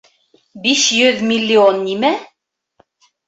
Биш йөҙ миллион нимә?